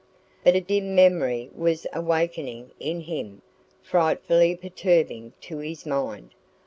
But a dim memory was awakening in him, frightfully perturbing to his mind.